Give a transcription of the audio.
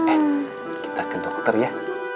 eh kita ke dokter ya